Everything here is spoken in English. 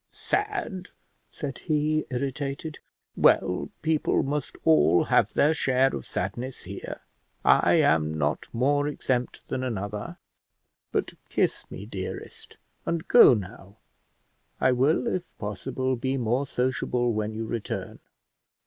"Sad," said he, irritated; "well, people must all have their share of sadness here; I am not more exempt than another: but kiss me, dearest, and go now; I will, if possible, be more sociable when you return."